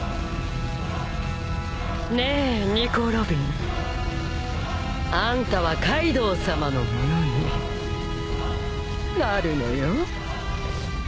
ねえニコ・ロビンあんたはカイドウさまのものになるのよ。